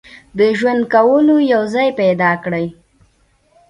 د ژوند کولو یو ځای پیدا کړي.